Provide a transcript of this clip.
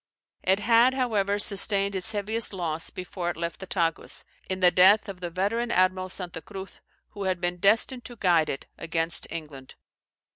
It had, however, sustained its heaviest loss before it left the Tagus, in the death of the veteran admiral Santa Cruz, who had been destined to guide it against England.